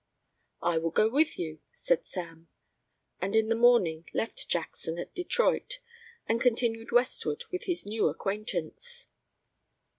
"I will go with you," said Sam, and in the morning left Jackson at Detroit and continued westward with his new acquaintance.